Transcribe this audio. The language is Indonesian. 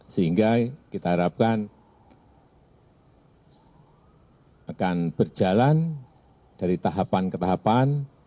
sehingga kita harapkan akan berjalan dari tahapan ketahapan